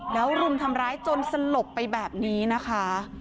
แล้วรุมทำร้ายจนสลบไปแบบนี้นะคะ